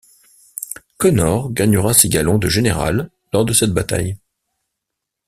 Connor gagnera ses galons de général lors de cette bataille.